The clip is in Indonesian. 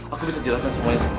aku bisa jelaskan semuanya sama aku